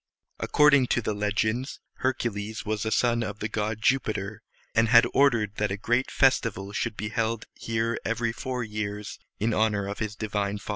According to the legends, Hercules was a son of the god Jupiter, and had ordered that a great festival should be held here every four years in honor of his divine father.